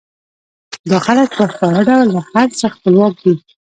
دا خلک په ښکاره ډول له هر څه خپلواک دي